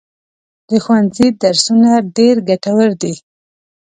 د ښوونځي درسونه ډېر ګټور دي.